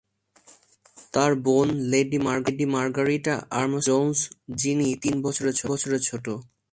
তার বোন, Lady Margarita Armstrong Jones, যিনি তিন বছরের ছোট।